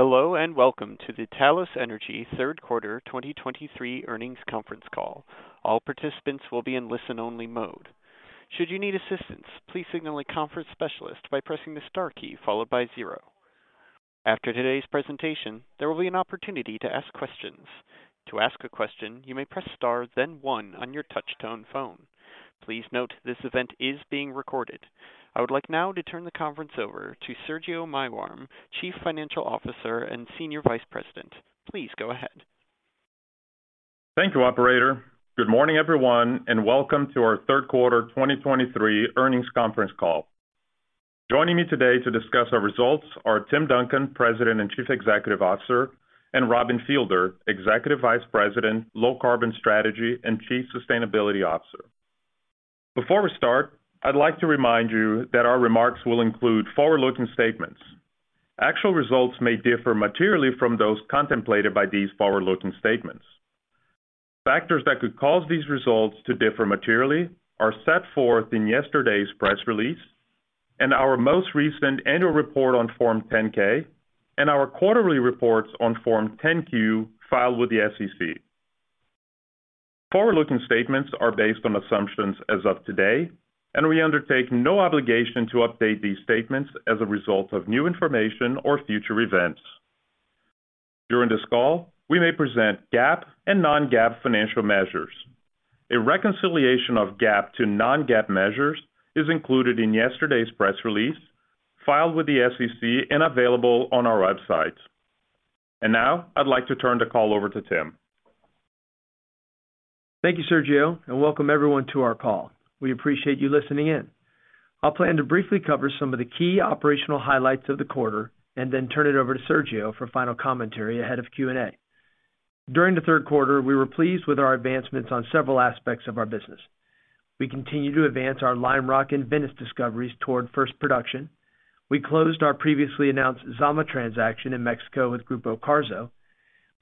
Hello, and welcome to the Talos Energy third quarter 2023 earnings conference call. All participants will be in listen-only mode. Should you need assistance, please signal a conference specialist by pressing the star key followed by zero. After today's presentation, there will be an opportunity to ask questions. To ask a question, you may press star then one on your touchtone phone. Please note this event is being recorded. I would like now to turn the conference over to Sergio Maiworm, Chief Financial Officer and Senior Vice President. Please go ahead. Thank you, operator. Good morning, everyone, and welcome to our third quarter 2023 earnings conference call. Joining me today to discuss our results are Tim Duncan, President and Chief Executive Officer, and Robin Fielder, Executive Vice President, Low Carbon Strategy and Chief Sustainability Officer. Before we start, I'd like to remind you that our remarks will include forward-looking statements. Actual results may differ materially from those contemplated by these forward-looking statements. Factors that could cause these results to differ materially are set forth in yesterday's press release and our most recent annual report on Form 10-K and our quarterly reports on Form 10-Q filed with the SEC. Forward-looking statements are based on assumptions as of today, and we undertake no obligation to update these statements as a result of new information or future events. During this call, we may present GAAP and non-GAAP financial measures. A reconciliation of GAAP to non-GAAP measures is included in yesterday's press release, filed with the SEC and available on our website. Now I'd like to turn the call over to Tim. Thank you, Sergio, and welcome everyone to our call. We appreciate you listening in. I'll plan to briefly cover some of the key operational highlights of the quarter and then turn it over to Sergio for final commentary ahead of Q&A. During the third quarter, we were pleased with our advancements on several aspects of our business. We continue to advance our Lime Rock and Venice discoveries toward first production. We closed our previously announced Zama transaction in Mexico with Grupo Carso.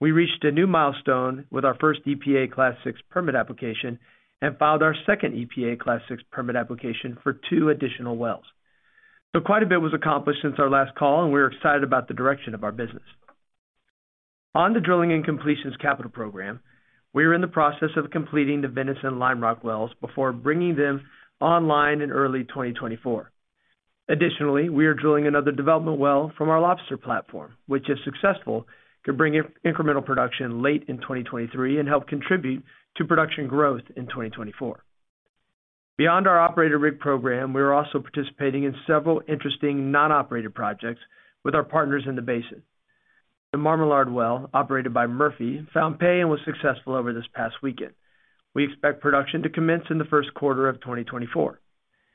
We reached a new milestone with our first EPA Class VI permit application and filed our second EPA Class VI permit application for two additional wells. Quite a bit was accomplished since our last call, and we're excited about the direction of our business. On the drilling and completions capital program, we are in the process of completing the Venice and Lime Rock wells before bringing them online in early 2024. Additionally, we are drilling another development well from our Lobster platform, which, if successful, could bring in incremental production late in 2023 and help contribute to production growth in 2024. Beyond our operator rig program, we are also participating in several interesting non-operated projects with our partners in the basin. The Marmalard well, operated by Murphy, found pay and was successful over this past weekend. We expect production to commence in the first quarter of 2024.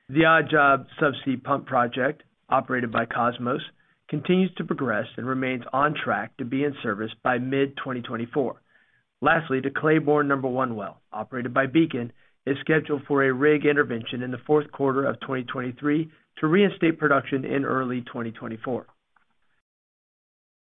The Odd Job subsea pump project, operated by Kosmos, continues to progress and remains on track to be in service by mid-2024. Lastly, the Claiborne #1 well, operated by Beacon, is scheduled for a rig intervention in the fourth quarter of 2023 to reinstate production in early 2024.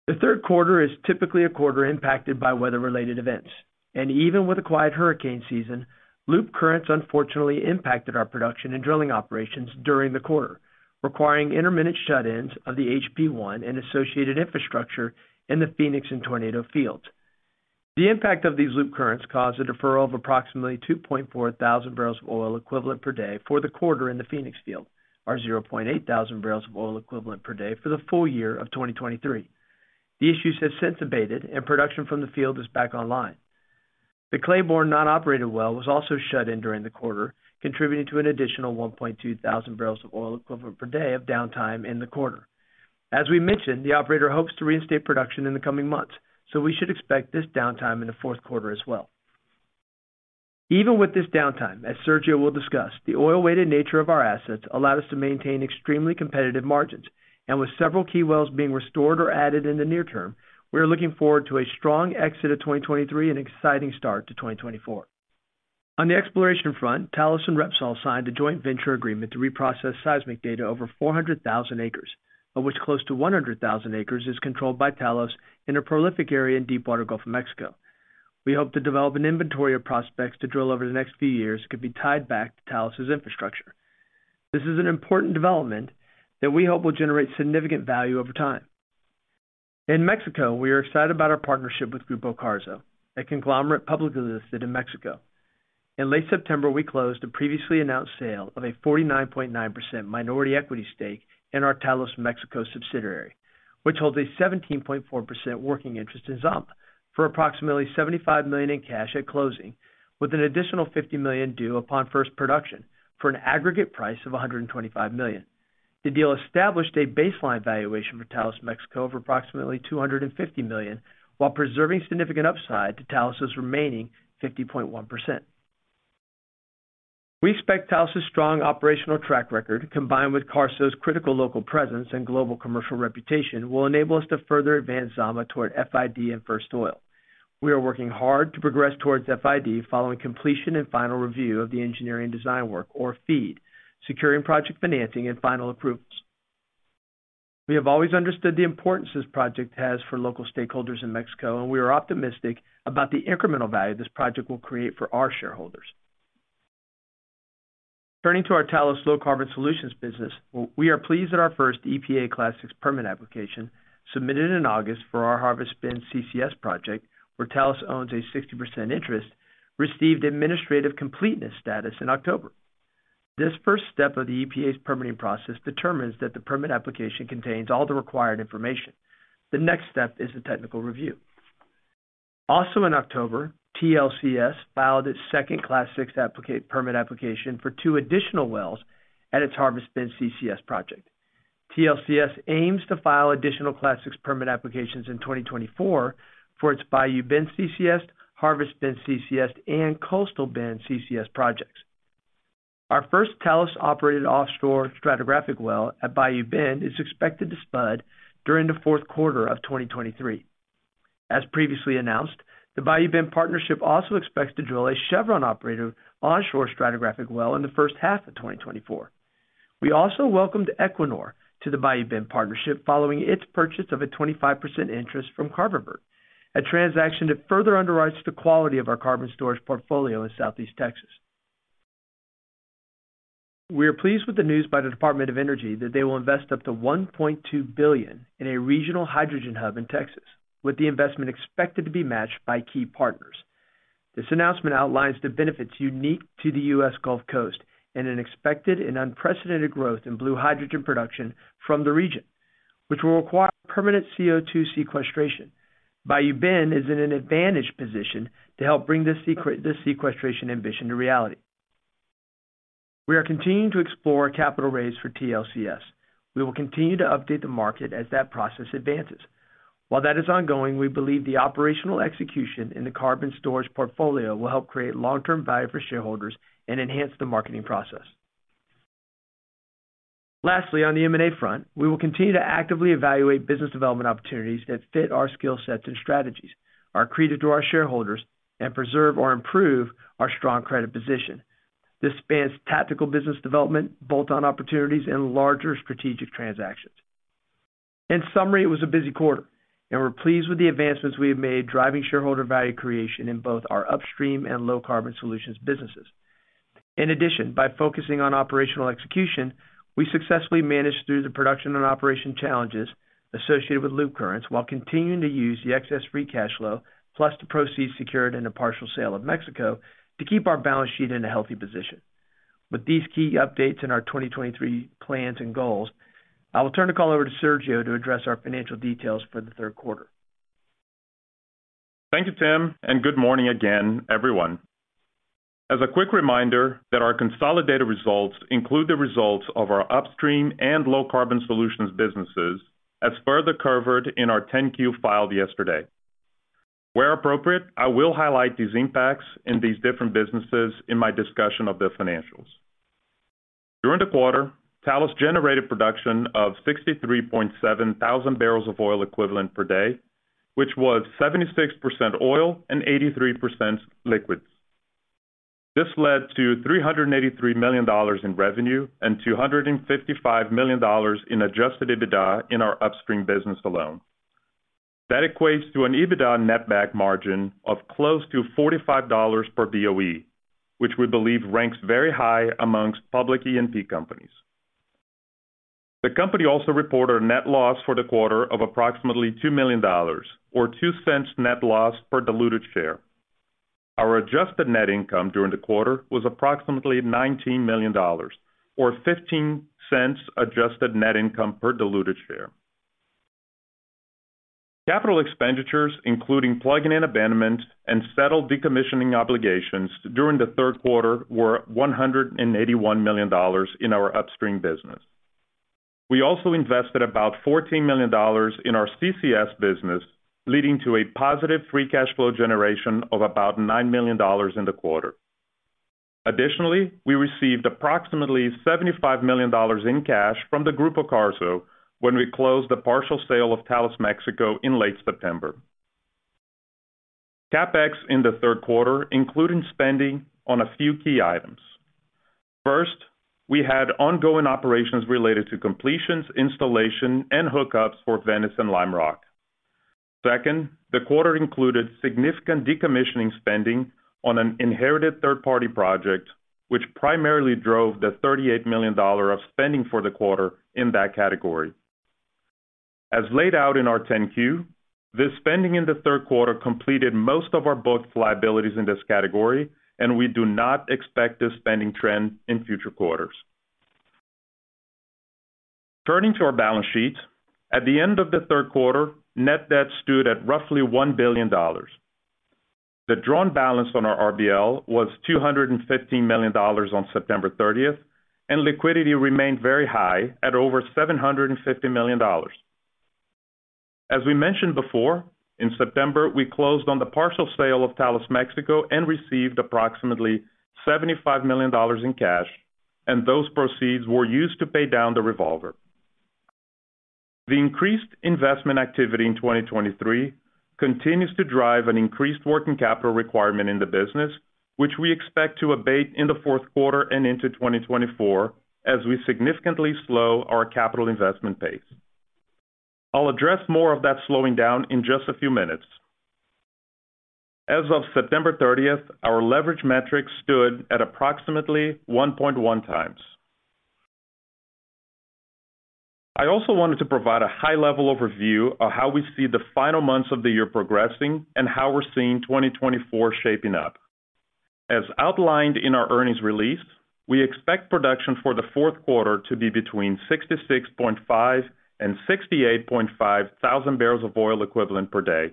The third quarter is typically a quarter impacted by weather-related events, and even with a quiet hurricane season, Loop Currents unfortunately impacted our production and drilling operations during the quarter, requiring intermittent shut-ins of the HP-I and associated infrastructure in the Phoenix and Tornado fields. The impact of these Loop Currents caused a deferral of approximately 2.4 thousand barrels of oil equivalent per day for the quarter in the Phoenix field, or 0.8 thousand barrels of oil equivalent per day for the full year of 2023. The issues have since abated and production from the field is back online. The Claiborne non-operated well was also shut in during the quarter, contributing to an additional 1.2 thousand barrels of oil equivalent per day of downtime in the quarter. As we mentioned, the operator hopes to reinstate production in the coming months, so we should expect this downtime in the fourth quarter as well. Even with this downtime, as Sergio will discuss, the oil-weighted nature of our assets allowed us to maintain extremely competitive margins, and with several key wells being restored or added in the near term, we are looking forward to a strong exit of 2023 and exciting start to 2024. On the exploration front, Talos and Repsol signed a joint venture agreement to reprocess seismic data over 400,000 acres, of which close to 100,000 acres is controlled by Talos in a prolific area in Deepwater Gulf of Mexico. We hope to develop an inventory of prospects to drill over the next few years that could be tied back to Talos's infrastructure. This is an important development that we hope will generate significant value over time. In Mexico, we are excited about our partnership with Grupo Carso, a conglomerate publicly listed in Mexico. In late September, we closed a previously announced sale of a 49.9% minority equity stake in our Talos Mexico subsidiary, which holds a 17.4% working interest in Zama for approximately $75 million in cash at closing, with an additional $50 million due upon first production for an aggregate price of $125 million. The deal established a baseline valuation for Talos Mexico of approximately $250 million, while preserving significant upside to Talos's remaining 50.1%. We expect Talos's strong operational track record, combined with Carso's critical local presence and global commercial reputation, will enable us to further advance Zama toward FID and first oil. We are working hard to progress towards FID following completion and final review of the engineering design work, or FEED, securing project financing and final approvals. We have always understood the importance this project has for local stakeholders in Mexico, and we are optimistic about the incremental value this project will create for our shareholders. Turning to our Talos Low Carbon Solutions business, we are pleased that our first EPA Class VI permit application, submitted in August for our Harvest Bend CCS project, where Talos owns a 60% interest, received administrative completeness status in October. This first step of the EPA's permitting process determines that the permit application contains all the required information. The next step is the technical review. Also, in October, TLCS filed its second Class VI permit application for two additional wells at its Harvest Bend CCS project. TLCS aims to file additional Class VI permit applications in 2024 for its Bayou Bend CCS, Harvest Bend CCS, and Coastal Bend CCS projects. Our first Talos-operated offshore stratigraphic well at Bayou Bend is expected to spud during the fourth quarter of 2023. As previously announced, the Bayou Bend partnership also expects to drill a Chevron-operated onshore stratigraphic well in the first half of 2024. We also welcomed Equinor to the Bayou Bend partnership, following its purchase of a 25% interest from Carbonvert, a transaction that further underwrites the quality of our carbon storage portfolio in Southeast Texas. We are pleased with the news by the Department of Energy that they will invest up to $1.2 billion in a regional hydrogen hub in Texas, with the investment expected to be matched by key partners. This announcement outlines the benefits unique to the U.S. Gulf Coast and an expected and unprecedented growth in blue hydrogen production from the region, which will require permanent CO₂ sequestration. Bayou Bend is in an advantaged position to help bring this this sequestration ambition to reality. We are continuing to explore a capital raise for TLCS. We will continue to update the market as that process advances. While that is ongoing, we believe the operational execution in the carbon storage portfolio will help create long-term value for shareholders and enhance the marketing process. Lastly, on the M&A front, we will continue to actively evaluate business development opportunities that fit our skill sets and strategies, are accretive to our shareholders, and preserve or improve our strong credit position. This spans tactical business development, bolt-on opportunities, and larger strategic transactions. In summary, it was a busy quarter, and we're pleased with the advancements we have made, driving shareholder value creation in both our upstream and low-carbon solutions businesses. In addition, by focusing on operational execution, we successfully managed through the production and operation challenges associated with Loop Currents, while continuing to use the excess free cash flow, plus the proceeds secured in the partial sale of Mexico, to keep our balance sheet in a healthy position. With these key updates in our 2023 plans and goals, I will turn the call over to Sergio to address our financial details for the third quarter. Thank you, Tim, and good morning again, everyone. As a quick reminder, that our consolidated results include the results of our upstream and low-carbon solutions businesses, as further covered in our 10-Q filed yesterday. Where appropriate, I will highlight these impacts in these different businesses in my discussion of the financials. During the quarter, Talos generated production of 63.7 thousand barrels of oil equivalent per day, which was 76% oil and 83% liquids. This led to $383 million in revenue and $255 million in Adjusted EBITDA in our upstream business alone. That equates to an EBITDA Netback Margin of close to $45 per BOE, which we believe ranks very high amongst public E&P companies. The company also reported a net loss for the quarter of approximately $2 million, or $0.02 net loss per diluted share. Our adjusted net income during the quarter was approximately $19 million, or $0.15 adjusted net income per diluted share. Capital expenditures, including plug and abandonment and settled decommissioning obligations during the third quarter, were $181 million in our upstream business. We also invested about $14 million in our CCS business, leading to a positive free cash flow generation of about $9 million in the quarter. Additionally, we received approximately $75 million in cash from the Grupo Carso when we closed the partial sale of Talos Mexico in late September. CapEx in the third quarter included spending on a few key items. First, we had ongoing operations related to completions, installation, and hookups for Venice and Lime Rock. Second, the quarter included significant decommissioning spending on an inherited third-party project, which primarily drove the $38 million of spending for the quarter in that category. As laid out in our 10-Q, this spending in the third quarter completed most of our booked liabilities in this category, and we do not expect this spending trend in future quarters. Turning to our balance sheet. At the end of the third quarter, net debt stood at roughly $1 billion. The drawn balance on our RBL was $215 million on September 30, and liquidity remained very high at over $750 million. As we mentioned before, in September, we closed on the partial sale of Talos Mexico and received approximately $75 million in cash, and those proceeds were used to pay down the revolver. The increased investment activity in 2023 continues to drive an increased working capital requirement in the business, which we expect to abate in the fourth quarter and into 2024, as we significantly slow our capital investment pace. I'll address more of that slowing down in just a few minutes. As of September 30, our leverage metrics stood at approximately 1.1x. I also wanted to provide a high-level overview of how we see the final months of the year progressing and how we're seeing 2024 shaping up. As outlined in our earnings release, we expect production for the fourth quarter to be between 66,500-68,500 barrels of oil equivalent per day,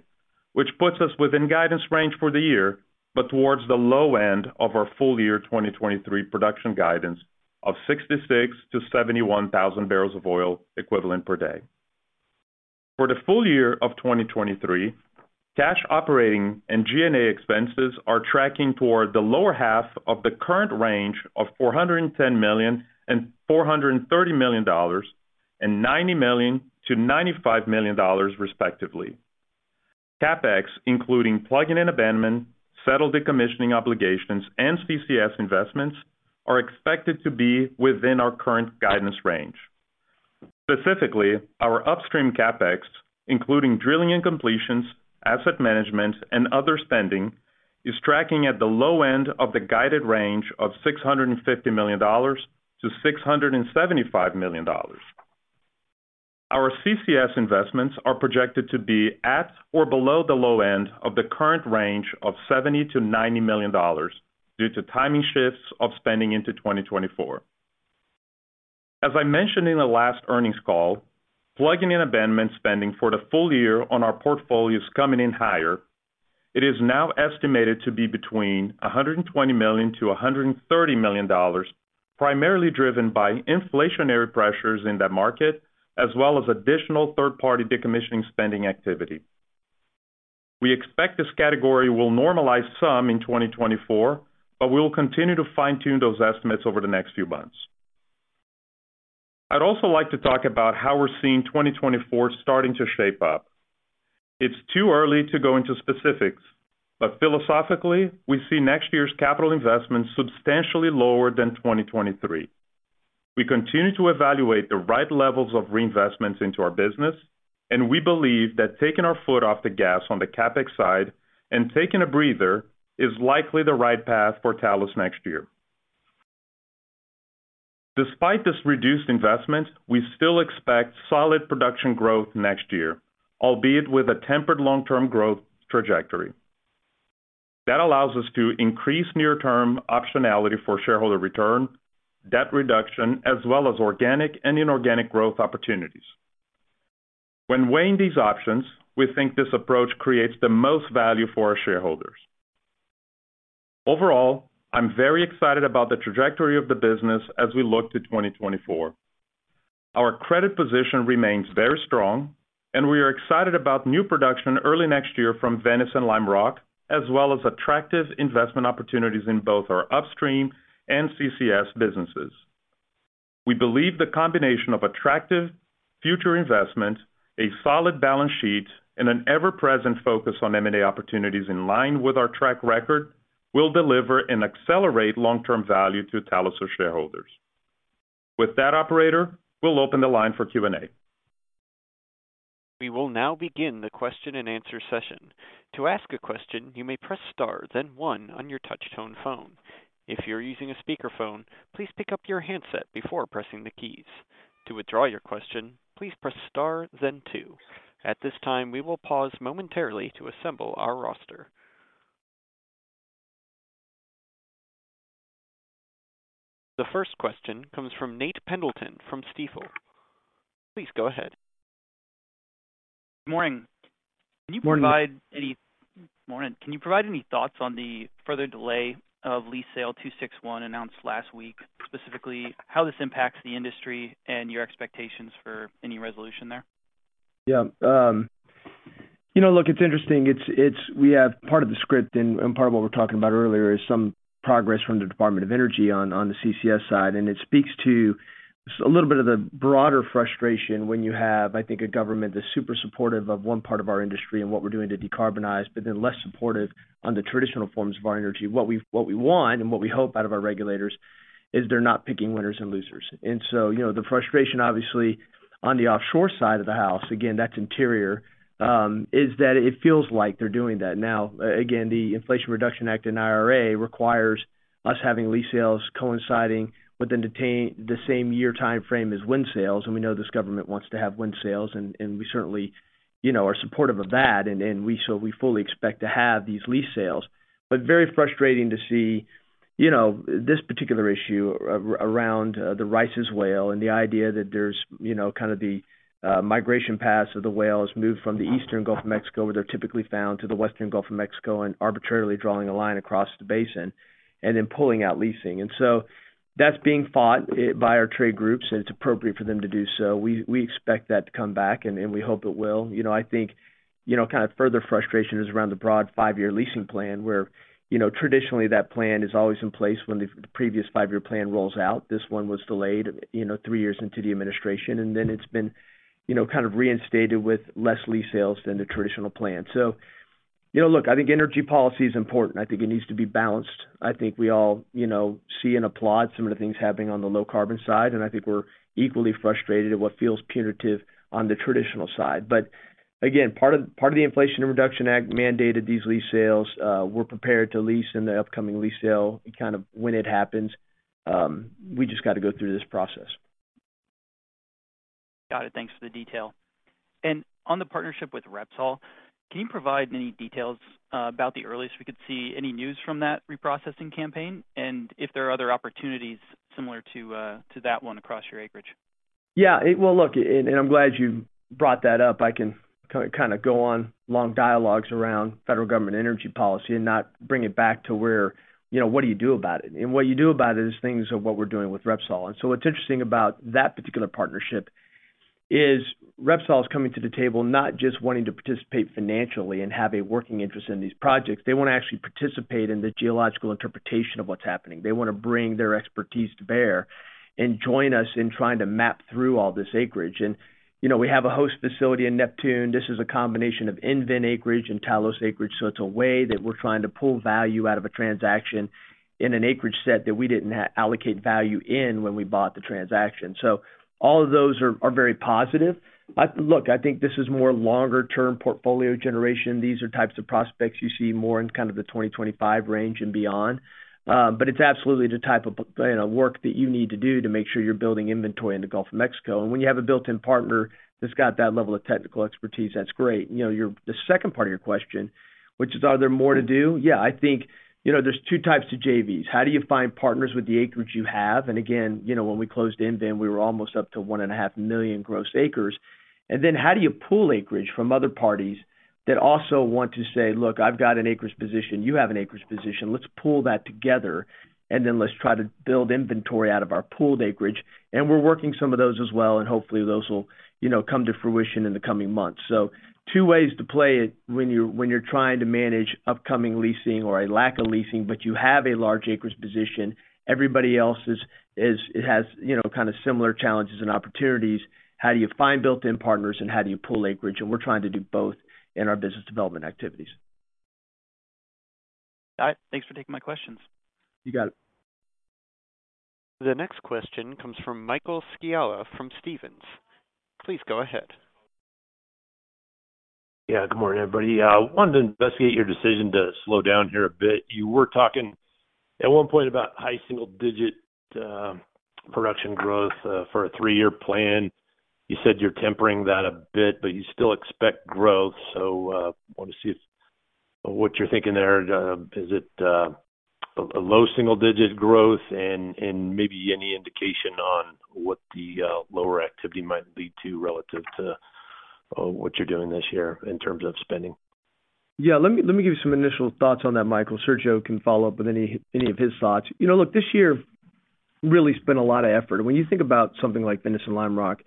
which puts us within guidance range for the year, but towards the low end of our full year 2023 production guidance of 66,000-71,000 barrels of oil equivalent per day. For the full year of 2023, cash operating and G&A expenses are tracking toward the lower half of the current range of $410 million-$430 million, and $90 million-$95 million, respectively. CapEx, including plug and abandonment, settled decommissioning obligations, and CCS investments, are expected to be within our current guidance range. Specifically, our upstream CapEx, including drilling and completions, asset management, and other spending, is tracking at the low end of the guided range of $650 million-$675 million. Our CCS investments are projected to be at or below the low end of the current range of $70 million-$90 million due to timing shifts of spending into 2024. As I mentioned in the last earnings call, plugging and abandonment spending for the full year on our portfolio is coming in higher. It is now estimated to be between $120 million-$130 million, primarily driven by inflationary pressures in that market, as well as additional third-party decommissioning spending activity. We expect this category will normalize some in 2024, but we will continue to fine-tune those estimates over the next few months. I'd also like to talk about how we're seeing 2024 starting to shape up. It's too early to go into specifics, but philosophically, we see next year's capital investment substantially lower than 2023. We continue to evaluate the right levels of reinvestments into our business, and we believe that taking our foot off the gas on the CapEx side and taking a breather is likely the right path for Talos next year. Despite this reduced investment, we still expect solid production growth next year, albeit with a tempered long-term growth trajectory. That allows us to increase near-term optionality for shareholder return, debt reduction, as well as organic and inorganic growth opportunities. When weighing these options, we think this approach creates the most value for our shareholders. Overall, I'm very excited about the trajectory of the business as we look to 2024. Our credit position remains very strong, and we are excited about new production early next year from Venice and Lime Rock, as well as attractive investment opportunities in both our upstream and CCS businesses. We believe the combination of attractive future investment, a solid balance sheet, and an ever-present focus on M&A opportunities in line with our track record, will deliver and accelerate long-term value to Talos' shareholders. With that, operator, we'll open the line for Q&A. We will now begin the question-and-answer session. To ask a question, you may press Star, then one on your touch-tone phone. If you're using a speakerphone, please pick up your handset before pressing the keys. To withdraw your question, please press Star, then two. At this time, we will pause momentarily to assemble our roster. The first question comes from Nate Pendleton from Stifel. Please go ahead. Good morning. Morning. Morning. Can you provide any thoughts on the further delay of Lease Sale 261 announced last week, specifically how this impacts the industry and your expectations for any resolution there? Yeah, you know, look, it's interesting. It's we have part of the script and part of what we're talking about earlier is some progress from the Department of Energy on the CCS side, and it speaks to a little bit of the broader frustration when you have, I think, a government that's super supportive of one part of our industry and what we're doing to decarbonize, but then less supportive on the traditional forms of our energy. What we want and what we hope out of our regulators is they're not picking winners and losers. And so, you know, the frustration, obviously, on the offshore side of the house, again, that's Interior, is that it feels like they're doing that. Now, again, the Inflation Reduction Act and IRA requires us having lease sales coinciding within the same year timeframe as wind sales, and we know this government wants to have wind sales, and we certainly, you know, are supportive of that, and so we fully expect to have these lease sales. But very frustrating to see, you know, this particular issue around the Rice's Whale and the idea that there's, you know, kind of the migration paths of the whales move from the eastern Gulf of Mexico, where they're typically found, to the western Gulf of Mexico and arbitrarily drawing a line across the basin and then pulling out leasing. And so that's being fought by our trade groups, and it's appropriate for them to do so. We expect that to come back, and we hope it will. You know, I think, you know, kind of further frustration is around the broad five-year leasing plan, where, you know, traditionally that plan is always in place when the previous five-year plan rolls out. This one was delayed, you know, three years into the administration, and then it's been, you know, kind of reinstated with less lease sales than the traditional plan. So, you know, look, I think energy policy is important. I think it needs to be balanced. I think we all, you know, see and applaud some of the things happening on the low-carbon side, and I think we're equally frustrated at what feels punitive on the traditional side. But again, part of, part of the Inflation Reduction Act mandated these lease sales. We're prepared to lease in the upcoming lease sale, kind of when it happens.... We just got to go through this process. Got it. Thanks for the detail. On the partnership with Repsol, can you provide any details about the earliest we could see any news from that reprocessing campaign, and if there are other opportunities similar to that one across your acreage? Yeah, well, look, and I'm glad you brought that up. I can kind of, kind of go on long dialogues around federal government energy policy and not bring it back to where, you know, what do you do about it? And what you do about it is things of what we're doing with Repsol. And so what's interesting about that particular partnership is Repsol is coming to the table, not just wanting to participate financially and have a working interest in these projects. They want to actually participate in the geological interpretation of what's happening. They want to bring their expertise to bear and join us in trying to map through all this acreage. And, you know, we have a host facility in Neptune. This is a combination of EnVen acreage and Talos acreage, so it's a way that we're trying to pull value out of a transaction in an acreage set that we didn't allocate value in when we bought the transaction. So all of those are very positive. But look, I think this is more longer-term portfolio generation. These are types of prospects you see more in kind of the 2025 range and beyond. But it's absolutely the type of, you know, work that you need to do to make sure you're building inventory in the Gulf of Mexico. And when you have a built-in partner that's got that level of technical expertise, that's great. You know, the second part of your question, which is, are there more to do? Yeah, I think, you know, there's two types to JVs. How do you find partners with the acreage you have? And again, you know, when we closed EnVen we were almost up to 1.5 million gross acres. And then how do you pull acreage from other parties that also want to say, "Look, I've got an acreage position. You have an acreage position. Let's pull that together, and then let's try to build inventory out of our pooled acreage." And we're working some of those as well, and hopefully, those will, you know, come to fruition in the coming months. So two ways to play it when you're trying to manage upcoming leasing or a lack of leasing, but you have a large acreage position. Everybody else has, you know, kind of similar challenges and opportunities. How do you find built-in partners, and how do you pull acreage? We're trying to do both in our business development activities. All right. Thanks for taking my questions. You got it. The next question comes from Michael Scialla from Stephens. Please go ahead. Yeah. Good morning, everybody. Wanted to investigate your decision to slow down here a bit. You were talking at one point about high single-digit production growth for a three-year plan. You said you're tempering that a bit, but you still expect growth. So, want to see if what you're thinking there. Is it a low single-digit growth? And maybe any indication on what the lower activity might lead to relative to what you're doing this year in terms of spending? Yeah, let me, let me give you some initial thoughts on that, Michael. Sergio can follow up with any, any of his thoughts. You know, look, this year really spent a lot of effort. When you think about something like Venice and Lime Rock,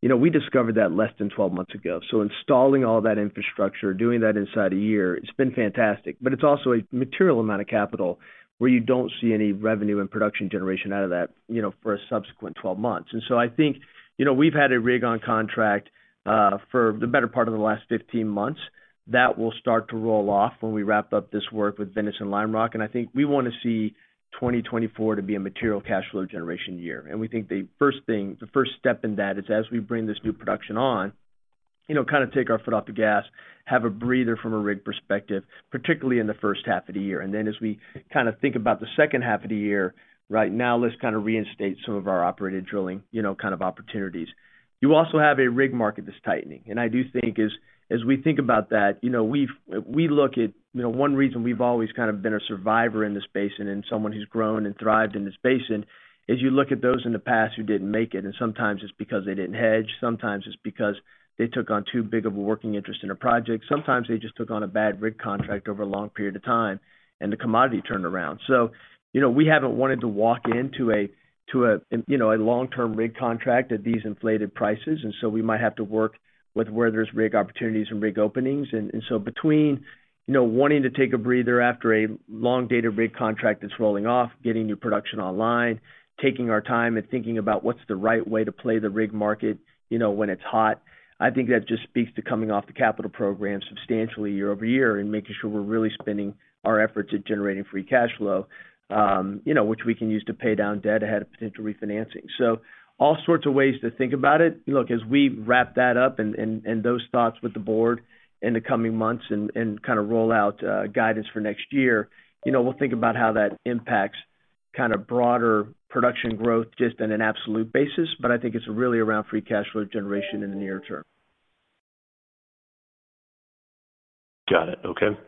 you know, we discovered that less than 12 months ago. So installing all that infrastructure, doing that inside a year, it's been fantastic, but it's also a material amount of capital where you don't see any revenue and production generation out of that, you know, for a subsequent 12 months. And so I think, you know, we've had a rig on contract for the better part of the last 15 months. That will start to roll off when we wrap up this work with Venice and Lime Rock, and I think we want to see 2024 to be a material cash flow generation year. We think the first thing, the first step in that is as we bring this new production on, you know, kind of take our foot off the gas, have a breather from a rig perspective, particularly in the first half of the year. Then as we kinda think about the second half of the year, right now, let's kinda reinstate some of our operated drilling, you know, kind of opportunities. You also have a rig market that's tightening, and I do think as we think about that, you know, we look at, you know, one reason we've always kind of been a survivor in this basin and someone who's grown and thrived in this basin, is you look at those in the past who didn't make it, and sometimes it's because they didn't hedge, sometimes it's because they took on too big of a working interest in a project. Sometimes they just took on a bad rig contract over a long period of time, and the commodity turned around. So, you know, we haven't wanted to walk into a, you know, a long-term rig contract at these inflated prices, and so we might have to work with where there's rig opportunities and rig openings. So between, you know, wanting to take a breather after a long-dated rig contract that's rolling off, getting new production online, taking our time and thinking about what's the right way to play the rig market, you know, when it's hot, I think that just speaks to coming off the capital program substantially year-over-year and making sure we're really spending our efforts at generating free cash flow, you know, which we can use to pay down debt ahead of potential refinancing. So all sorts of ways to think about it. Look, as we wrap that up and those thoughts with the board in the coming months and kind of roll out guidance for next year, you know, we'll think about how that impacts kinda broader production growth just on an absolute basis, but I think it's really around free cash flow generation in the near term. Got it. Okay.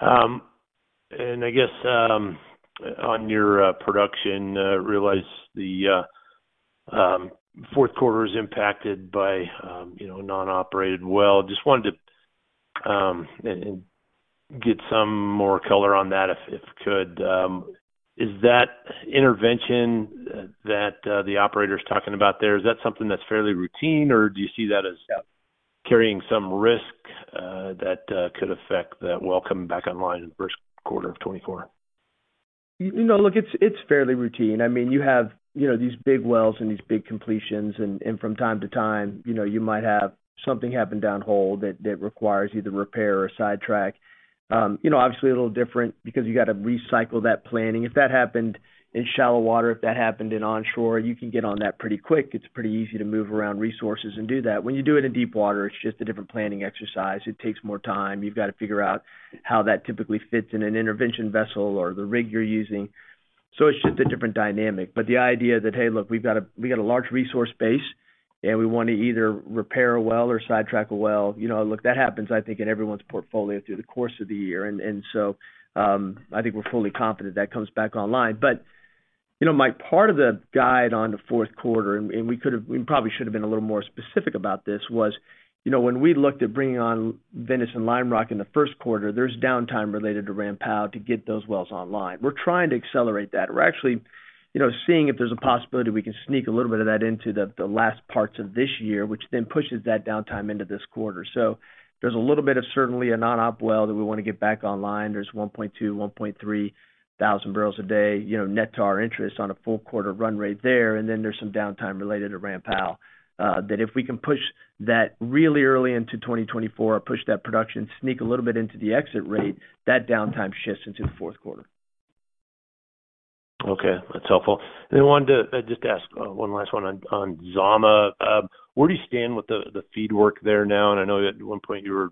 I guess on your production, I realize the fourth quarter is impacted by, you know, non-operated well. Just wanted to get some more color on that if you could. Is that intervention that the operator is talking about there something that's fairly routine, or do you see that as carrying some risk that could affect the well coming back online in the first quarter of 2024? You know, look, it's fairly routine. I mean, you have, you know, these big wells and these big completions, and from time to time, you know, you might have something happen downhole that requires either repair or sidetrack. You know, obviously a little different because you got to recycle that planning. If that happened in shallow water, if that happened onshore, you can get on that pretty quick. It's pretty easy to move around resources and do that. When you do it in deepwater, it's just a different planning exercise. It takes more time. You've got to figure out how that typically fits in an intervention vessel or the rig you're using. So it's just a different dynamic. But the idea that, hey, look, we've got a, we got a large resource base.... And we want to either repair a well or sidetrack a well, you know. Look, that happens, I think, in everyone's portfolio through the course of the year. And so, I think we're fully confident that comes back online. But, you know, Mike, part of the guide on the fourth quarter, and we could have, we probably should have been a little more specific about this, was, you know, when we looked at bringing on Venice and Lime Rock in the first quarter, there's downtime related to ramp out to get those wells online. We're trying to accelerate that. We're actually, you know, seeing if there's a possibility we can sneak a little bit of that into the last parts of this year, which then pushes that downtime into this quarter. So there's a little bit of certainly a non-op well that we want to get back online. There's 1,200-1,300 barrels a day, you know, net to our interest on a full quarter run rate there. And then there's some downtime related to ramp out that if we can push that really early into 2024, push that production, sneak a little bit into the exit rate, that downtime shifts into the fourth quarter. Okay, that's helpful. Then I wanted to just ask one last one on Zama. Where do you stand with the FEED work there now? And I know at one point you were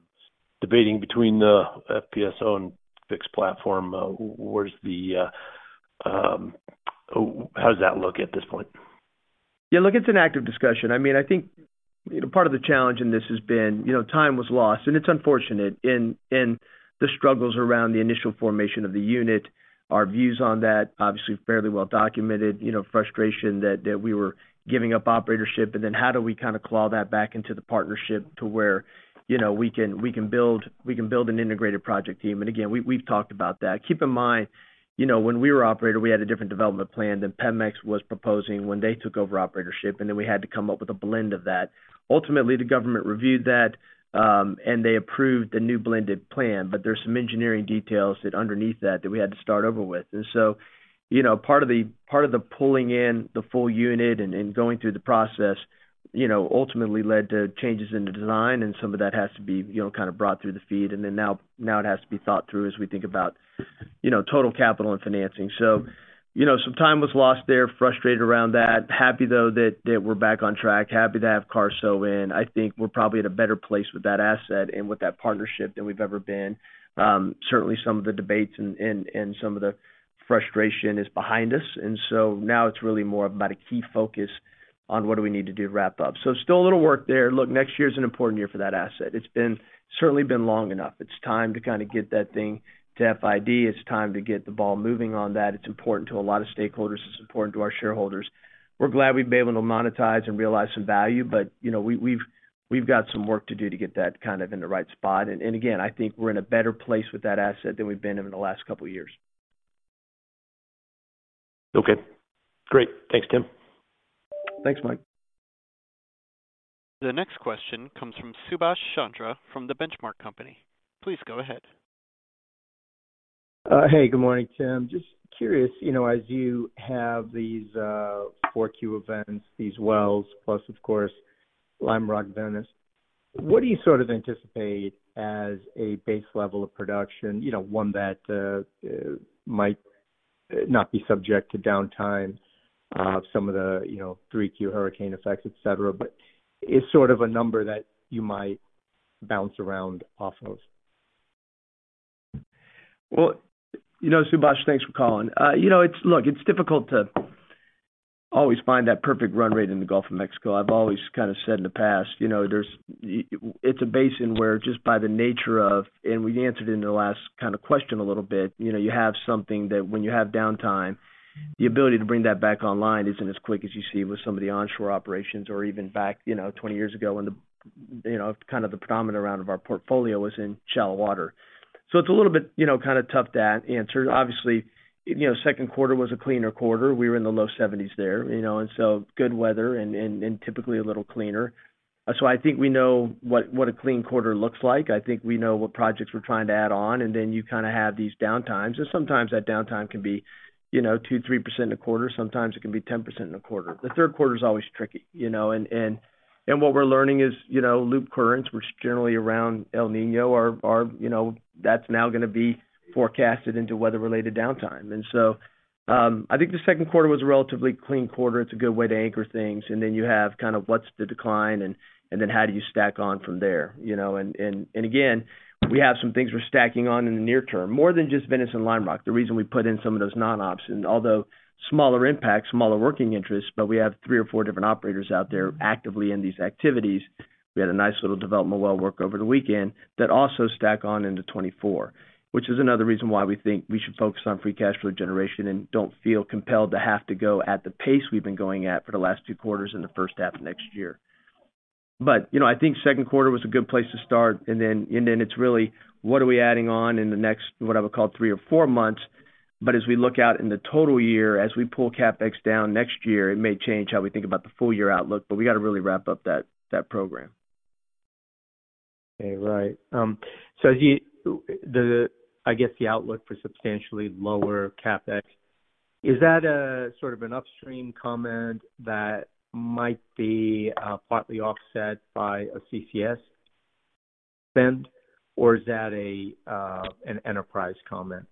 debating between the FPSO and fixed platform. Where's that, how does that look at this point? Yeah, look, it's an active discussion. I mean, I think, you know, part of the challenge in this has been, you know, time was lost, and it's unfortunate. And the struggles around the initial formation of the unit, our views on that, obviously, fairly well documented, you know, frustration that we were giving up operatorship, and then how do we kind of claw that back into the partnership to where, you know, we can build an integrated project team. And again, we've talked about that. Keep in mind, you know, when we were operator, we had a different development plan than PEMEX was proposing when they took over operatorship, and then we had to come up with a blend of that. Ultimately, the government reviewed that, and they approved the new blended plan, but there's some engineering details that underneath that, that we had to start over with. And so, you know, part of the, part of the pulling in the full unit and, and going through the process, you know, ultimately led to changes in the design, and some of that has to be, you know, kind of brought through the feed. And then now, now it has to be thought through as we think about, you know, total capital and financing. So, you know, some time was lost there, frustrated around that. Happy, though, that, that we're back on track. Happy to have Carso in. I think we're probably at a better place with that asset and with that partnership than we've ever been. Certainly, some of the debates and some of the frustration is behind us, and so now it's really more about a key focus on what do we need to do to wrap up. Still a little work there. Look, next year is an important year for that asset. It's certainly been long enough. It's time to kind of get that thing to FID. It's time to get the ball moving on that. It's important to a lot of stakeholders. It's important to our shareholders. We're glad we've been able to monetize and realize some value, but, you know, we've got some work to do to get that kind of in the right spot. And again, I think we're in a better place with that asset than we've been in the last couple of years. Okay, great. Thanks, Tim. Thanks, Mike. The next question comes from Subash Chandra from The Benchmark Company. Please go ahead. Hey, good morning, Tim. Just curious, you know, as you have these 4Q events, these wells, plus, of course, Lime Rock, Venice, what do you sort of anticipate as a base level of production? You know, one that might not be subject to downtime, some of the, you know, 3Q hurricane effects, et cetera, et cetera, but is sort of a number that you might bounce around off those? Well, you know, Subash, thanks for calling. You know, it's, look, it's difficult to always find that perfect run rate in the Gulf of Mexico. I've always kind of said in the past, you know, there's, it's a basin where just by the nature of... And we answered in the last kind of question a little bit, you know, you have something that when you have downtime, the ability to bring that back online isn't as quick as you see with some of the onshore operations or even back, you know, 20 years ago when the, you know, kind of the predominant round of our portfolio was in shallow water. So it's a little bit, you know, kind of tough to answer. Obviously, you know, second quarter was a cleaner quarter. We were in the low 70s there, you know, and so good weather and typically a little cleaner. So I think we know what a clean quarter looks like. I think we know what projects we're trying to add on, and then you kind of have these downtimes. A nd sometimes that downtime can be, you know, 2%-3% in a quarter, sometimes it can be 10% in a quarter. The third quarter is always tricky, you know, and what we're learning is, you know, Loop Currents, which generally around El Niño, are, you know, that's now going to be forecasted into weather-related downtime. And so, I think the second quarter was a relatively clean quarter. It's a good way to anchor things. And then you have kind of what's the decline and then how do you stack on from there, you know? And again, we have some things we're stacking on in the near term, more than just Venice and Lime Rock. The reason we put in some of those non-ops, and although smaller impact, smaller working interests, but we have three or four different operators out there actively in these activities. We had a nice little development well work over the weekend that also stack on into 2024, which is another reason why we think we should focus on free cash flow generation and don't feel compelled to have to go at the pace we've been going at for the last two quarters in the first half of next year. But, you know, I think second quarter was a good place to start, and then it's really what are we adding on in the next, what I would call, three or four months. But as we look out in the total year, as we pull CapEx down next year, it may change how we think about the full year outlook, but we got to really wrap up that program. Okay, right. So as you, I guess the outlook for substantially lower CapEx, is that a sort of an upstream comment that might be partly offset by a CCS spend, or is that an enterprise comment?...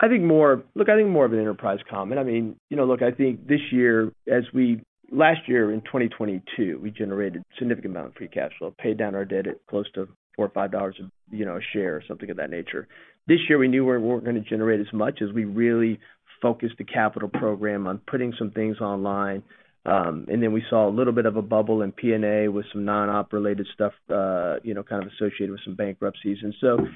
I think more, look, I think more of an enterprise comment. I mean, you know, look, I think this year, as we last year, in 2022, we generated a significant amount of free cash flow, paid down our debt at close to $4-$5 a, you know, a share or something of that nature. This year, we knew we weren't going to generate as much as we really focused the capital program on putting some things online. And then we saw a little bit of a bubble in PNA with some non-op related stuff, you know, kind of associated with some bankruptcies. And so,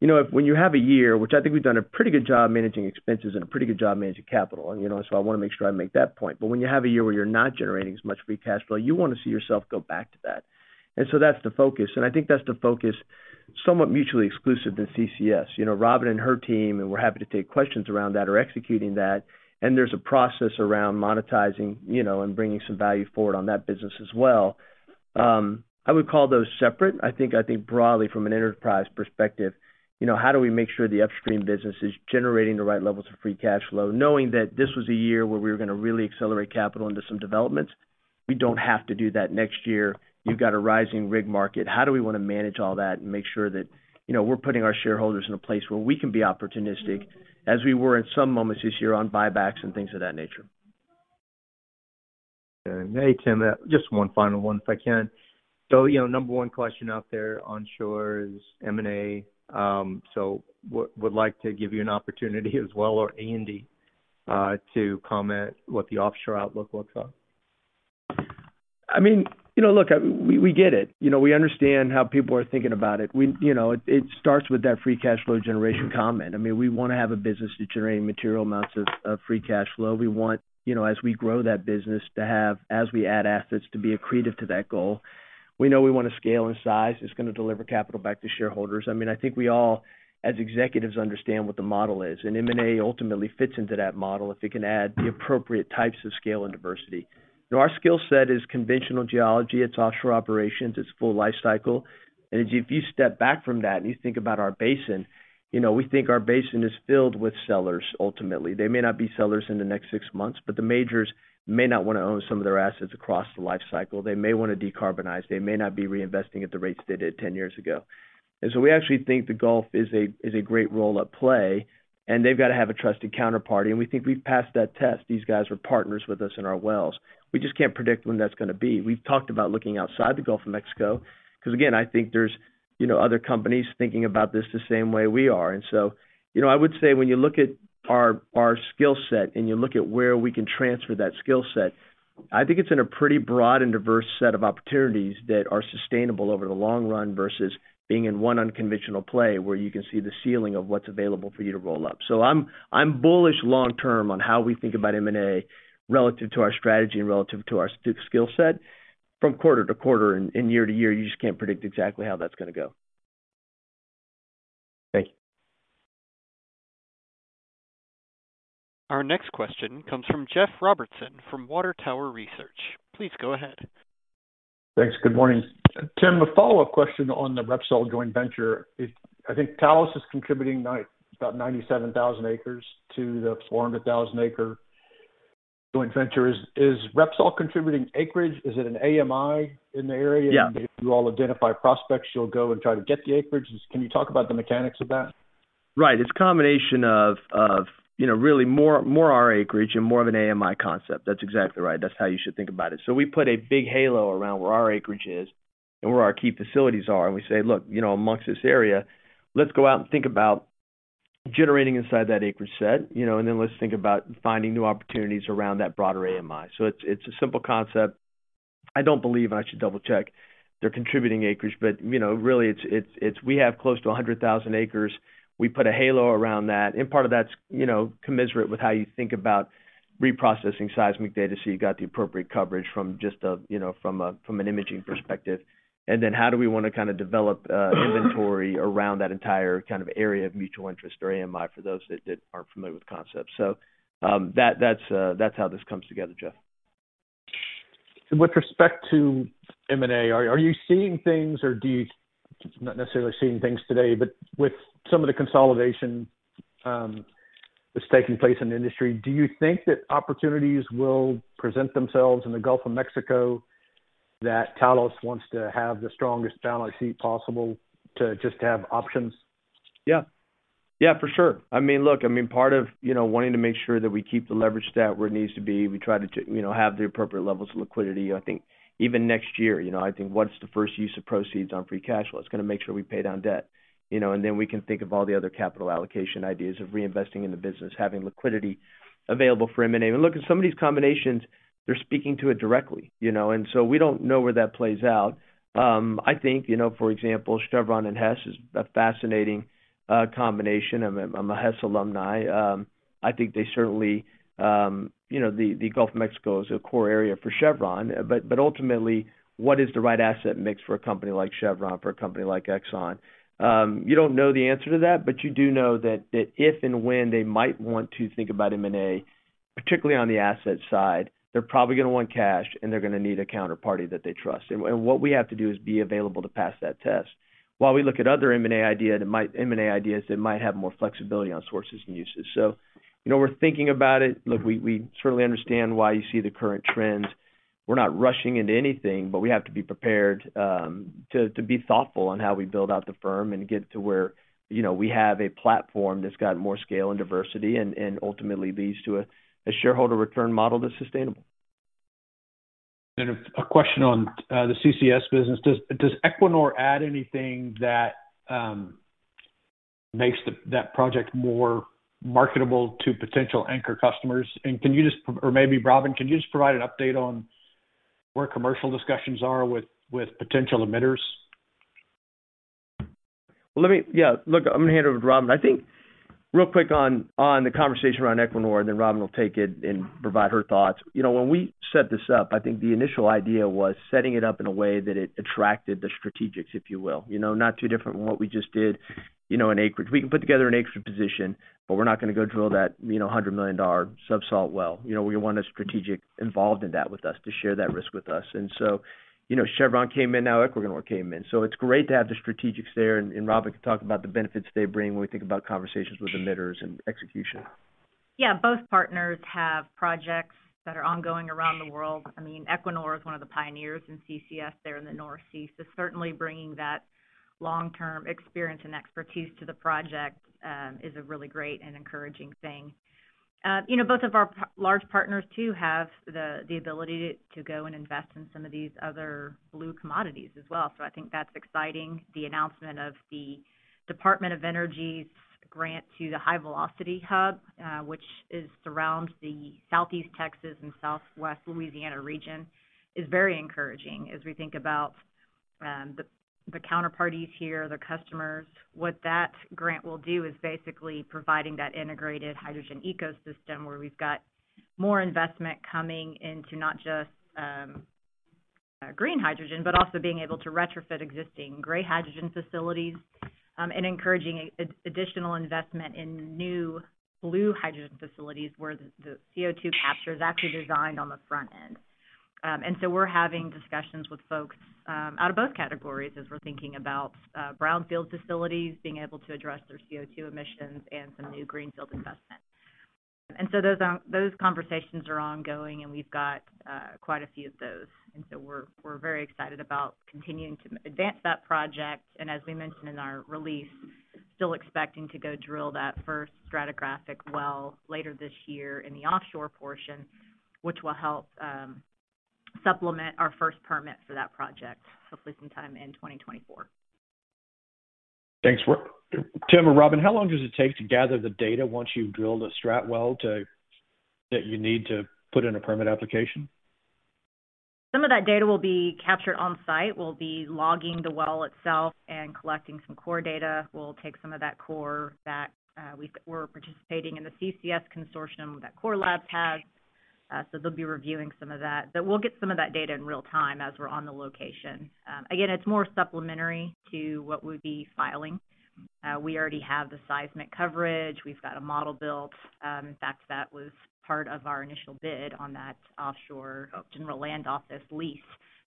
you know, when you have a year, which I think we've done a pretty good job managing expenses and a pretty good job managing capital, and, you know, so I want to make sure I make that point. But when you have a year where you're not generating as much free cash flow, you want to see yourself go back to that. And so that's the focus. And I think that's the focus somewhat mutually exclusive than CCS. You know, Robin and her team, and we're happy to take questions around that, are executing that, and there's a process around monetizing, you know, and bringing some value forward on that business as well. I would call those separate. I think, I think broadly from an enterprise perspective, you know, how do we make sure the upstream business is generating the right levels of free cash flow, knowing that this was a year where we were going to really accelerate capital into some developments? We don't have to do that next year. You've got a rising rig market. How do we want to manage all that and make sure that, you know, we're putting our shareholders in a place where we can be opportunistic, as we were in some moments this year on buybacks and things of that nature? Hey, Tim, just one final one, if I can. So, you know, number one question out there, onshore is M&A. So would like to give you an opportunity as well, or Andy, to comment what the offshore outlook looks like. I mean, you know, look, we get it. You know, we understand how people are thinking about it. We, you know, it starts with that free cash flow generation comment. I mean, we want to have a business that's generating material amounts of free cash flow. We want, you know, as we grow that business, to have, as we add assets, to be accretive to that goal. We know we want to scale in size. It's going to deliver capital back to shareholders. I mean, I think we all, as executives, understand what the model is, and M&A ultimately fits into that model if it can add the appropriate types of scale and diversity. Now, our skill set is conventional geology, it's offshore operations, it's full life cycle. If you step back from that and you think about our basin, you know, we think our basin is filled with sellers ultimately. They may not be sellers in the next 6 months, but the majors may not want to own some of their assets across the life cycle. They may want to decarbonize, they may not be reinvesting at the rates they did 10 years ago. And so we actually think the Gulf is a great role at play, and they've got to have a trusted counterparty, and we think we've passed that test. These guys are partners with us in our wells. We just can't predict when that's going to be. We've talked about looking outside the Gulf of Mexico, because, again, I think there's, you know, other companies thinking about this the same way we are. And so, you know, I would say when you look at our, our skill set and you look at where we can transfer that skill set, I think it's in a pretty broad and diverse set of opportunities that are sustainable over the long run versus being in one unconventional play where you can see the ceiling of what's available for you to roll up. So I'm, I'm bullish long term on how we think about M&A relative to our strategy and relative to our skill set. From quarter to quarter and year to year, you just can't predict exactly how that's going to go. Thank you. Our next question comes from Jeff Robertson from Water Tower Research. Please go ahead. Thanks. Good morning. Tim, a follow-up question on the Repsol joint venture. I think Talos is contributing about 97,000 acres to the 400,000-acre joint venture. Is Repsol contributing acreage? Is it an AMI in the area? Yeah. If you all identify prospects, you'll go and try to get the acreage. Can you talk about the mechanics of that? Right. It's a combination of you know really more our acreage and more of an AMI concept. That's exactly right. That's how you should think about it. So we put a big halo around where our acreage is and where our key facilities are, and we say, look, you know, amongst this area, let's go out and think about generating inside that acreage set, you know, and then let's think about finding new opportunities around that broader AMI. So it's a simple concept. I don't believe, and I should double-check, they're contributing acreage, but you know really it's we have close to 100,000 acres. We put a halo around that, and part of that's you know commensurate with how you think about reprocessing seismic data so you got the appropriate coverage from just a you know from a from an imaging perspective. And then how do we want to kind of develop inventory around that entire kind of area of mutual interest or AMI, for those that aren't familiar with the concept. So, that's how this comes together, Jeff. And with respect to M&A, are you seeing things or do you... Not necessarily seeing things today, but with some of the consolidation that's taking place in the industry, do you think that opportunities will present themselves in the Gulf of Mexico that Talos wants to have the strongest balance sheet possible to just have options? Yeah. Yeah, for sure. I mean, look, I mean, part of, you know, wanting to make sure that we keep the leverage stat where it needs to be, we try to, you know, have the appropriate levels of liquidity. I think even next year, you know, I think what's the first use of proceeds on free cash flow? It's going to make sure we pay down debt, you know, and then we can think of all the other capital allocation ideas of reinvesting in the business, having liquidity available for M&A. And look, in some of these combinations, they're speaking to it directly, you know, and so we don't know where that plays out. I think, you know, for example, Chevron and Hess is a fascinating combination. I'm a, I'm a Hess alumni. I think they certainly, you know, the Gulf of Mexico is a core area for Chevron, but ultimately, what is the right asset mix for a company like Chevron, for a company like Exxon? You don't know the answer to that, but you do know that if and when they might want to think about M&A, particularly on the asset side, they're probably going to want cash, and they're going to need a counterparty that they trust. And what we have to do is be available to pass that test. While we look at other M&A ideas that might have more flexibility on sources and uses. So you know, we're thinking about it. Look, we certainly understand why you see the current trends.... We're not rushing into anything, but we have to be prepared to be thoughtful on how we build out the firm and get to where, you know, we have a platform that's got more scale and diversity and ultimately leads to a shareholder return model that's sustainable. A question on the CCS business. Does Equinor add anything that makes that project more marketable to potential anchor customers? Or maybe Robin, can you provide an update on where commercial discussions are with potential emitters? Well, let me. Yeah, look, I'm going to hand it over to Robin. I think real quick on the conversation around Equinor, and then Robin will take it and provide her thoughts. You know, when we set this up, I think the initial idea was setting it up in a way that it attracted the strategics, if you will. You know, not too different from what we just did, you know, in acreage. We can put together an acreage position, but we're not going to go drill that $100 million subsalt well. You know, we want a strategic involved in that with us to share that risk with us. And so, you know, Chevron came in, now Equinor came in. So it's great to have the strategics there, and Robin can talk about the benefits they bring when we think about conversations with emitters and execution. Yeah, both partners have projects that are ongoing around the world. I mean, Equinor is one of the pioneers in CCS there in the North Sea. So certainly bringing that long-term experience and expertise to the project is a really great and encouraging thing. You know, both of our large partners too have the ability to go and invest in some of these other blue commodities as well. So I think that's exciting. The announcement of the Department of Energy's grant to the HyVelocity Hub, which is around the Southeast Texas and Southwest Louisiana region, is very encouraging as we think about the counterparties here, the customers. What that grant will do is basically providing that integrated hydrogen ecosystem, where we've got more investment coming into not just, green hydrogen, but also being able to retrofit existing gray hydrogen facilities, and encouraging additional investment in new blue hydrogen facilities, where the, the CO2 capture is actually designed on the front end. And so we're having discussions with folks, out of both categories as we're thinking about, brownfield facilities, being able to address their CO2 emissions and some new greenfield investment. And so those are—those conversations are ongoing, and we've got, quite a few of those. So we're very excited about continuing to advance that project, and as we mentioned in our release, still expecting to go drill that first stratigraphic well later this year in the offshore portion, which will help supplement our first permit for that project, hopefully sometime in 2024. Thanks. Tim or Robin, how long does it take to gather the data once you've drilled a strat well to... that you need to put in a permit application? Some of that data will be captured on-site. We'll be logging the well itself and collecting some core data. We'll take some of that core back. We're participating in the CCS consortium that Core Lab has, so they'll be reviewing some of that. But we'll get some of that data in real time as we're on the location. Again, it's more supplementary to what we'd be filing. We already have the seismic coverage. We've got a model built. In fact, that was part of our initial bid on that offshore General Land Office lease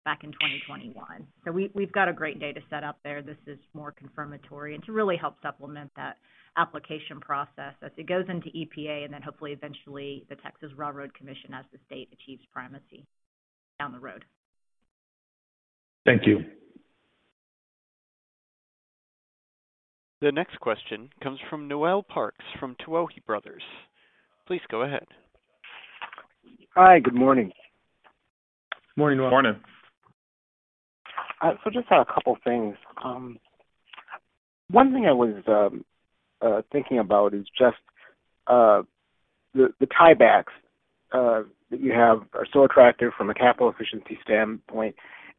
back in 2021. So we, we've got a great data set up there. This is more confirmatory and to really help supplement that application process as it goes into EPA and then hopefully, eventually, the Texas Railroad Commission, as the state achieves primacy down the road. Thank you. The next question comes from Noel Parks from Tuohy Brothers. Please go ahead. Hi, good morning. Morning, Noel. Morning. So just a couple of things. One thing I was thinking about is just the tiebacks that you have are so attractive from a capital efficiency standpoint.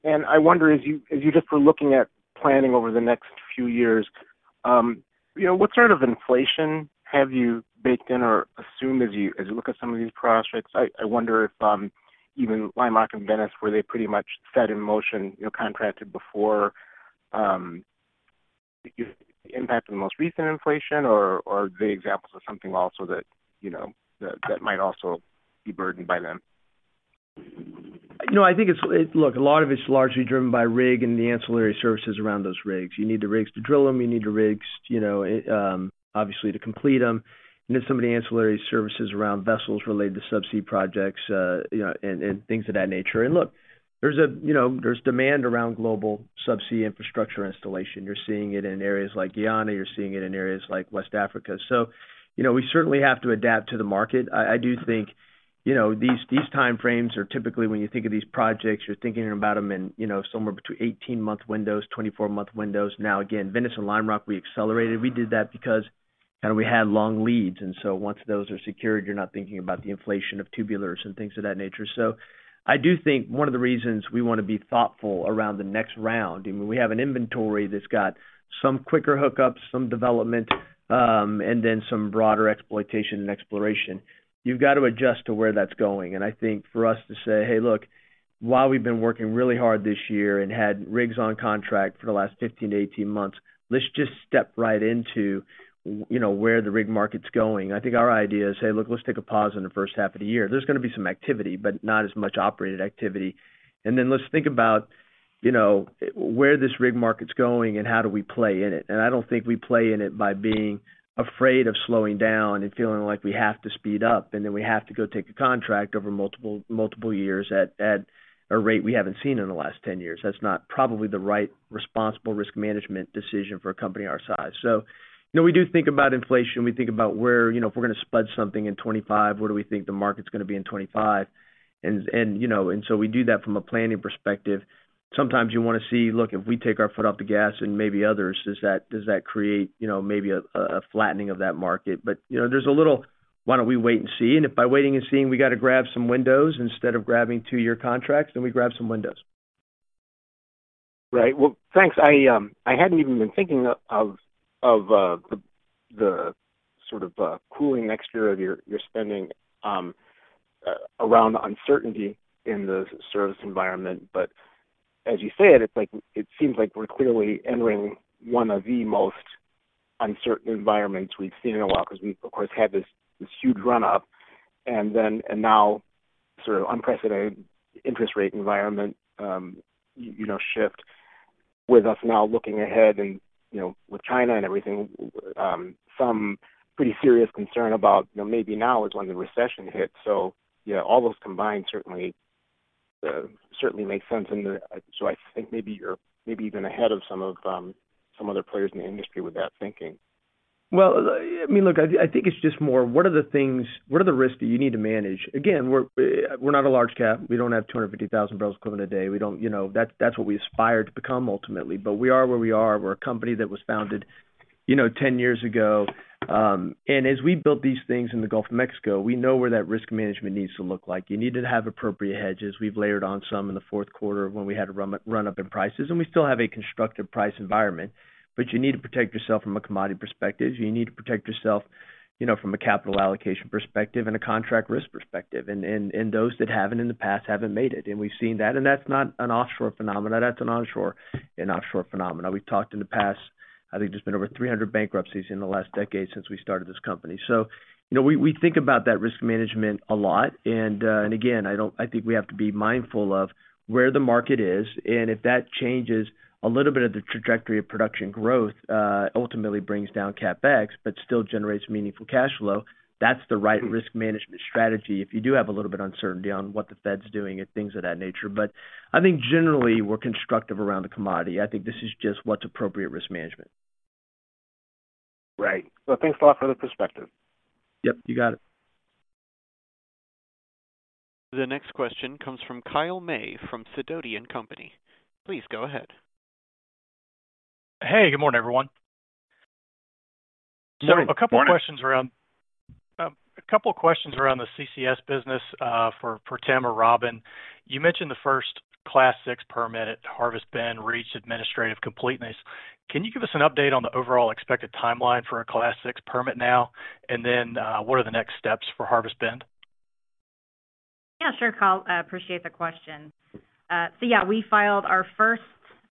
I wonder, as you just were looking at planning over the next few years, you know, what sort of inflation have you baked in or assumed as you look at some of these projects? I wonder if even Lime Rock and Venice, where they pretty much set in motion, you know, contracted before the impact of the most recent inflation, or are they examples of something also that, you know, that might also be burdened by them? You know, I think it's look, a lot of it's largely driven by rig and the ancillary services around those rigs. You need the rigs to drill them, you need the rigs, you know, obviously, to complete them, and then some of the ancillary services around vessels related to subsea projects, you know, and things of that nature. And look, there's a, you know, there's demand around global subsea infrastructure installation. You're seeing it in areas like Guyana, you're seeing it in areas like West Africa. So, you know, we certainly have to adapt to the market. I do think, you know, these time frames are typically, when you think of these projects, you're thinking about them in, you know, somewhere between 18-month windows, 24-month windows. Now, again, Venice and Lime Rock, we accelerated. We did that because, you know, we had long leads, and so once those are secured, you're not thinking about the inflation of tubulars and things of that nature. So I do think one of the reasons we want to be thoughtful around the next round, and when we have an inventory that's got some quicker hookups, some development, and then some broader exploitation and exploration, you've got to adjust to where that's going. And I think for us to say, "Hey, look, while we've been working really hard this year and had rigs on contract for the last 15-18 months, let's just step right into, you know, where the rig market's going." I think our idea is, hey, look, let's take a pause in the first half of the year. There's going to be some activity, but not as much operated activity. And then let's think about, you know, where this rig market's going and how do we play in it? And I don't think we play in it by being afraid of slowing down and feeling like we have to speed up, and then we have to go take a contract over multiple, multiple years at, at a rate we haven't seen in the last 10 years. That's not probably the right, responsible risk management decision for a company our size. So, you know, we do think about inflation. We think about where, you know, if we're gonna spud something in 2025, where do we think the market's gonna be in 2025? And, and, you know, and so we do that from a planning perspective. Sometimes you wanna see, look, if we take our foot off the gas and maybe others, does that, does that create, you know, maybe a, a flattening of that market? But, you know, there's a little why don't we wait and see, and if by waiting and seeing, we gotta grab some windows instead of grabbing two-year contracts, then we grab some windows. Right. Well, thanks. I hadn't even been thinking of the sort of cooling next year of your spending around uncertainty in the service environment. But as you say it, it's like... It seems like we're clearly entering one of the most uncertain environments we've seen in a while, because we've, of course, had this huge run-up and then, and now, sort of unprecedented interest rate environment, you know, shift, with us now looking ahead and, you know, with China and everything, some pretty serious concern about, you know, maybe now is when the recession hits. So, yeah, all those combined certainly makes sense. And so I think maybe you're maybe even ahead of some of some other players in the industry with that thinking. Well, I mean, look, I, I think it's just more, what are the things, what are the risks that you need to manage? Again, we're not a large cap. We don't have 250,000 barrels of oil equivalent a day. We don't, you know. That's, that's what we aspire to become ultimately, but we are where we are. We're a company that was founded, you know, 10 years ago. And as we built these things in the Gulf of Mexico, we know where that risk management needs to look like. You need to have appropriate hedges. We've layered on some in the fourth quarter when we had a run-up in prices, and we still have a constructive price environment. But you need to protect yourself from a commodity perspective. You need to protect yourself, you know, from a capital allocation perspective and a contract risk perspective. And those that haven't in the past haven't made it. And we've seen that, and that's not an offshore phenomenon. That's an onshore and offshore phenomenon. We've talked in the past, I think there's been over 300 bankruptcies in the last decade since we started this company. So, you know, we think about that risk management a lot. And again, I don't. I think we have to be mindful of where the market is, and if that changes, a little bit of the trajectory of production growth ultimately brings down CapEx, but still generates meaningful cash flow. That's the right risk management strategy if you do have a little bit of uncertainty on what the Fed's doing and things of that nature. I think generally, we're constructive around the commodity. I think this is just what's appropriate risk management. Right. Well, thanks a lot for the perspective. Yep, you got it. The next question comes from Kyle May from Sidoti & Company. Please go ahead. Hey, good morning, everyone. Good morning. So a couple of questions around, A couple of questions around the CCS business, for, for Tim or Robin. You mentioned the first Class VI permit at Harvest Bend reached administrative completeness. Can you give us an update on the overall expected timeline for a Class VI permit now? And then, what are the next steps for Harvest Bend? Yeah, sure, Kyle. I appreciate the question. So yeah, we filed our first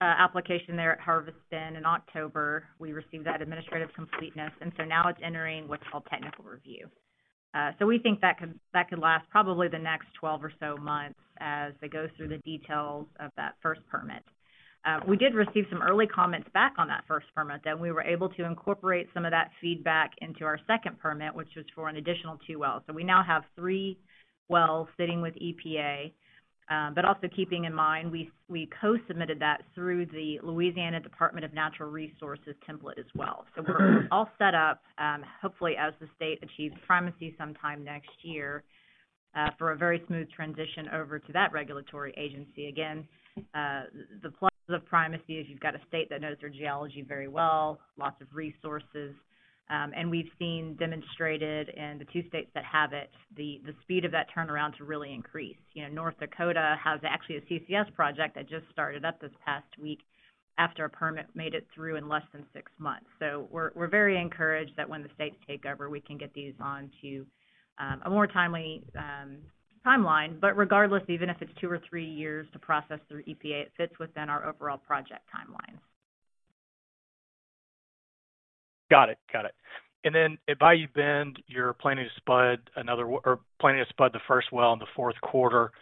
application there at Harvest Bend in October. We received that administrative completeness, and so now it's entering what's called technical review. So we think that could last probably the next 12 or so months as they go through the details of that first permit. We did receive some early comments back on that first permit that we were able to incorporate some of that feedback into our second permit, which was for an additional two wells. So we now have three wells sitting with EPA, but also keeping in mind, we co-submitted that through the Louisiana Department of Natural Resources template as well. So we're all set up, hopefully, as the state achieves primacy sometime next year, for a very smooth transition over to that regulatory agency. Again, the plus of primacy is you've got a state that knows their geology very well, lots of resources, and we've seen demonstrated in the two states that have it, the speed of that turnaround to really increase. You know, North Dakota has actually a CCS project that just started up this past week after a permit made it through in less than six months. So we're very encouraged that when the states take over, we can get these onto a more timely timeline. But regardless, even if it's two or three years to process through EPA, it fits within our overall project timeline. Got it. Got it. And then at Bayou Bend, you're planning to spud another or planning to spud the first well in the fourth quarter.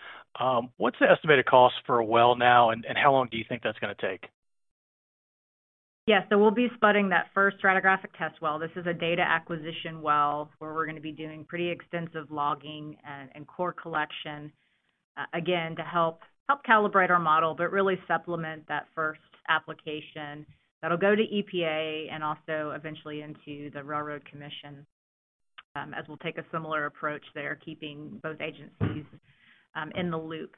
What's the estimated cost for a well now, and how long do you think that's gonna take? Yes, so we'll be spudding that first stratigraphic test well. This is a data acquisition well, where we're gonna be doing pretty extensive logging and core collection, again, to help calibrate our model, but really supplement that first application. That'll go to EPA and also eventually into the Railroad Commission, as we'll take a similar approach there, keeping both agencies in the loop.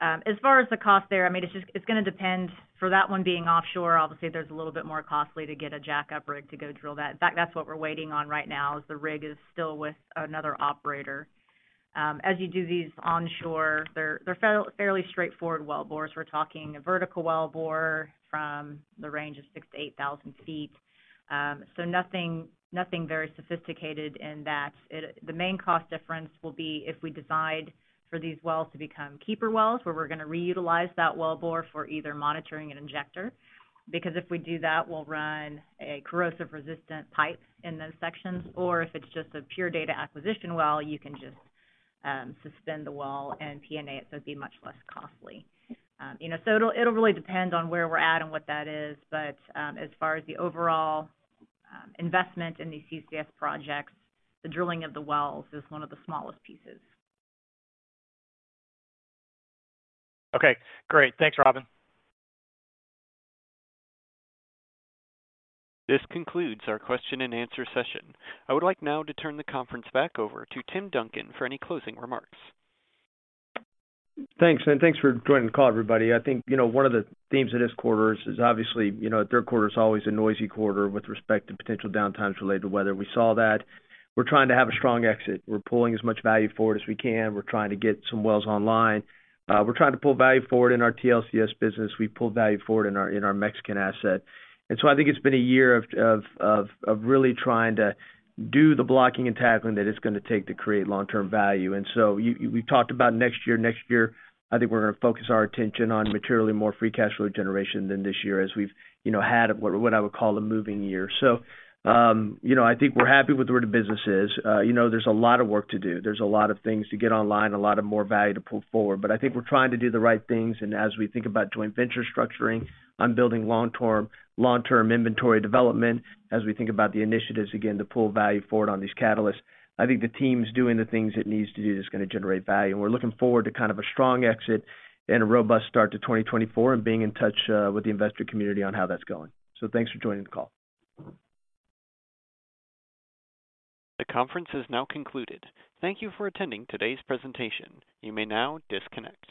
As far as the cost there, I mean, it's just, it's gonna depend. For that one being offshore, obviously, there's a little bit more costly to get a jackup rig to go drill that. In fact, that's what we're waiting on right now, is the rig is still with another operator. As you do these onshore, they're fairly straightforward wellbores. We're talking a vertical wellbore from the range of 6,000-8,000 feet. So nothing very sophisticated in that. The main cost difference will be if we decide for these wells to become keeper wells, where we're gonna reutilize that wellbore for either monitoring an injector, because if we do that, we'll run a corrosion-resistant pipe in those sections, or if it's just a pure data acquisition well, you can just suspend the well and P&A, it would be much less costly. You know, so it'll really depend on where we're at and what that is, but as far as the overall investment in these CCS projects, the drilling of the wells is one of the smallest pieces. Okay, great. Thanks, Robin. This concludes our question and answer session. I would like now to turn the conference back over to Tim Duncan for any closing remarks. Thanks, and thanks for joining the call, everybody. I think, you know, one of the themes of this quarter is obviously, you know, third quarter is always a noisy quarter with respect to potential downtimes related to weather. We saw that. We're trying to have a strong exit. We're pulling as much value forward as we can. We're trying to get some wells online. We're trying to pull value forward in our TLCS business. We've pulled value forward in our, in our Mexican asset. And so I think it's been a year of really trying to do the blocking and tackling that it's gonna take to create long-term value. And so you-- we've talked about next year. Next year, I think we're gonna focus our attention on materially more free cash flow generation than this year, as we've, you know, had what, what I would call a moving year. So, you know, I think we're happy with where the business is. You know, there's a lot of work to do. There's a lot of things to get online, a lot of more value to pull forward. But I think we're trying to do the right things. And as we think about joint venture structuring, on building long-term, long-term inventory development, as we think about the initiatives, again, to pull value forward on these catalysts, I think the team's doing the things it needs to do that's gonna generate value. We're looking forward to kind of a strong exit and a robust start to 2024 and being in touch with the investor community on how that's going. Thanks for joining the call. The conference is now concluded. Thank you for attending today's presentation. You may now disconnect.